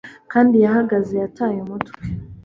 kandi yahagaze yataye umutwe